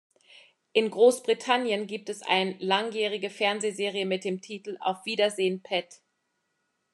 In Großbritannien gibt es eine langjährige Fernsehserie mit dem Titel "Auf Wiedersehen, Pet" .